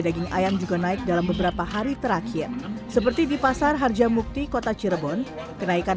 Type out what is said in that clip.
daging ayam juga naik dalam beberapa hari terakhir seperti di pasar harjamukti kota cirebon kenaikan